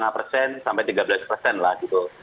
lima persen sampai tiga belas persen lah gitu